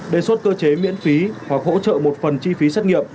đề xuất cơ chế miễn phí hoặc hỗ trợ một phần chi phí xét nghiệm